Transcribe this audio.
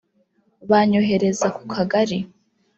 banyohereza ku kagari